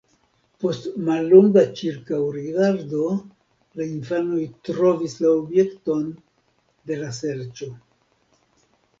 Post mallonga ĉirkaŭrigardo la infanoj trovis la objekton de la serĉo.